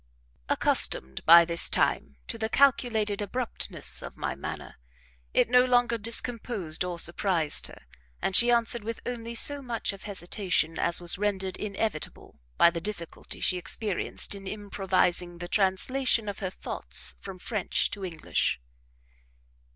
Accustomed by this time to the calculated abruptness of my manner, it no longer discomposed or surprised her, and she answered with only so much of hesitation as was rendered inevitable by the difficulty she experienced in improvising the translation of her thoughts from French to English.